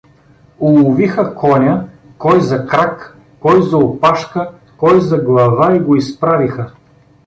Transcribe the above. Уловиха коня кой за крак, кой за опашка, кой за глава и го изправиха.